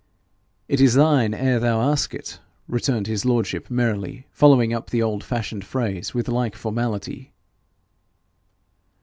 'It is thine ere thou ask it,' returned his lordship, merrily following up the old fashioned phrase with like formality.